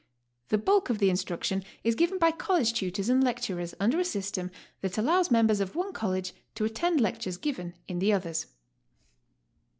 The bulk of the instruction is given by college tutors and lecturers under a system that allows members of one College to attend lec tures given in the others.